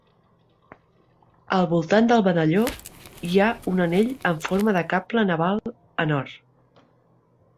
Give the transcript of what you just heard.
Al voltant del medalló hi ha un anell en forma de cable naval en or.